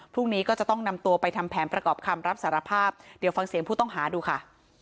พรุ่งนี้ก็จะต้องนำตัวไปทำแผนประกอบคำรับสารภาพเดี๋ยวฟังเสียงผู้ต้องหาดูค่ะ